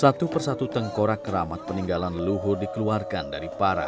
satu persatu tengkorak keramat peninggalan leluhur dikeluarkan dari para